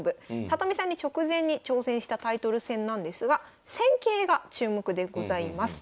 里見さんに直前に挑戦したタイトル戦なんですが戦型が注目でございます。